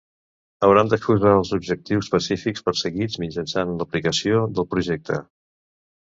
Hauran d'exposar els objectius específics perseguits mitjançant l'aplicació del projecte.